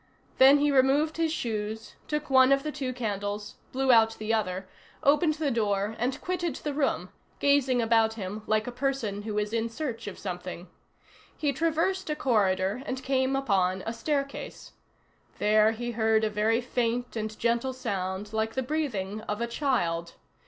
Then he removed his shoes, took one of the two candles, blew out the other, opened the door, and quitted the room, gazing about him like a person who is in search of something. He traversed a corridor and came upon a staircase. There he heard a very faint and gentle sound like the breathing of a child.